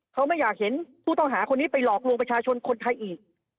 เขาไม่อยากเห็นผู้ต้องหาคนนี้ไปหลอกลวงประชาชนคนไทยอีก